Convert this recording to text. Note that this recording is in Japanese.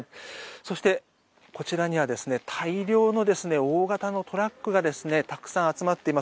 そして、こちらには大量の大型のトラックがたくさん集まっています。